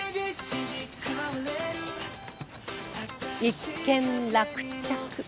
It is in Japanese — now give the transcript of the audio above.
一件落着。